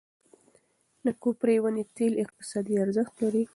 د کوپره ونې تېل اقتصادي ارزښت لري.